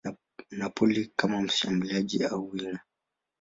Napoli kama mshambuliaji au winga.